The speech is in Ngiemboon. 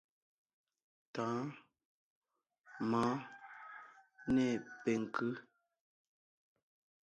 Tɔ̌ɔn, mɔ̌ɔn, nê penkʉ́.